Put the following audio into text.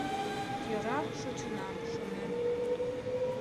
Йӧра, шочынам, шонем.